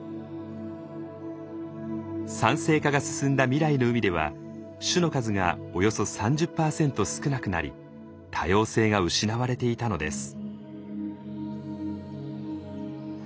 酸性化が進んだ未来の海では種の数がおよそ３０％少なくなり多様性が失われていたのです。